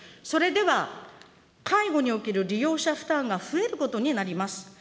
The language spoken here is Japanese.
それでは介護における利用者負担が増えることになります。